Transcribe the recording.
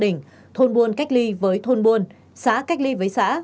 tỉnh cách ly với gia đình thôn buôn cách ly với thôn buôn xã cách ly với xã